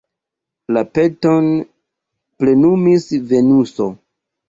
La peton plenumis Venuso.